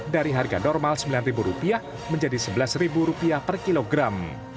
dari harga normal sembilan ribu rupiah menjadi sebelas ribu rupiah per kilogram